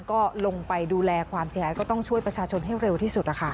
ก็ลงไปดูแลความเสียหายก็ต้องช่วยประชาชนให้เร็วที่สุด